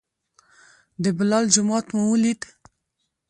د بلال جومات مو ولید.